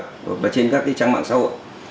hoặc là trên các trang mạng xã hội